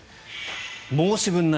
申し分ない。